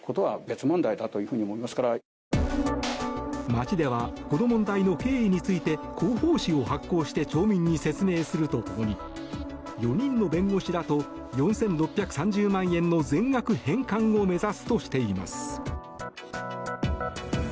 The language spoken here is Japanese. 町ではこの問題の経緯について広報誌を発行して町民に説明すると共に４人の弁護士らと４６３０万円の全額返還を目指すとしています。